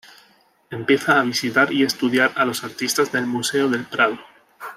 Empieza a visitar y estudiar a los artistas del Museo del Prado.